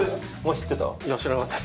知ってた？